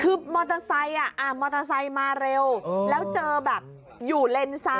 คือมอเตอร์ไซค์มอเตอร์ไซค์มาเร็วแล้วเจอแบบอยู่เลนซ้าย